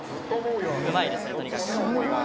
うまいですねとにかく。